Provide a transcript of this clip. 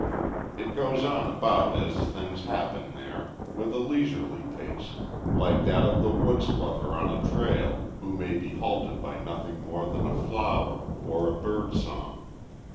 It goes on about as things happen there, with a leisurely pace, like that of the woods lover on a trail who may be halted by nothing more than a flower or a bird song.